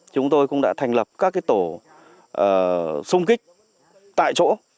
chúng tôi cũng đã thành lập các tổ xung kích tại chỗ